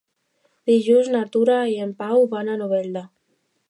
Dilluns na Tura i en Pau van a Novelda.